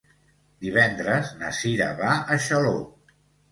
Divendres na Sira va a Xaló.